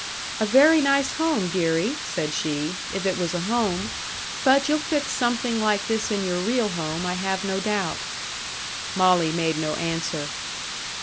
"A very nice home, deary," said she, "if it was a home. But you'll fix something like this in your real home, I have no doubt." Molly made no answer.